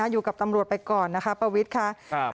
อยู่กับตำรวจไปก่อนนะคะประวิทย์ค่ะ